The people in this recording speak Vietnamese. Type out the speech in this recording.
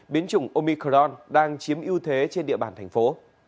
biến chủng omicron đang chiếm ưu thế trên địa bàn thành phố